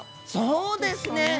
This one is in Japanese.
そうですね！